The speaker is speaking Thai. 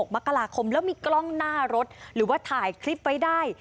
มกราคมแล้วมีกล้องหน้ารถหรือว่าถ่ายคลิปไว้ได้